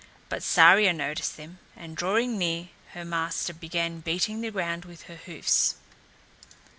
But Saria noticed them, and drawing near her master began beating the ground with her hoofs.